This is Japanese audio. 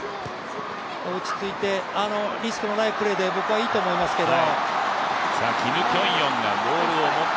落ち着いて、リスクのないプレーで僕はいいと思いますけど。